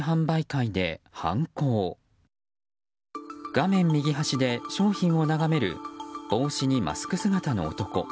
画面右端で正面を眺める帽子にマスク姿の男。